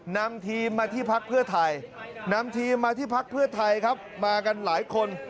นำทีมมาที่พักเพื่อไทยมากันหลายคน